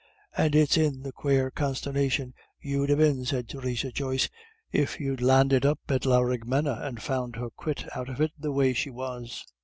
"And it's in the quare consternation you'd ha' been," said Theresa Joyce, "if you'd landed up at Laraghmena, and found her quit out of it the way she was."